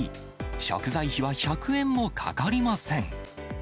食材費は１００円もかかりません。